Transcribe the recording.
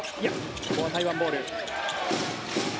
ここは台湾ボール。